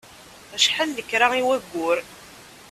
Acḥal lekra i wayyur?